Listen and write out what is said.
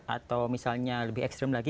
atau misalnya lebih ekstrim lagi